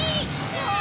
うわ！